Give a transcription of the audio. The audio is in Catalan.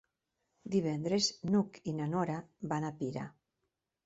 Divendres n'Hug i na Nora van a Pira.